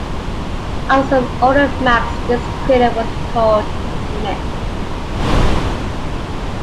On some older maps this crater was called Smith.